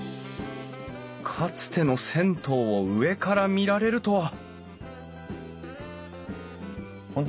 かつての銭湯を上から見られるとは！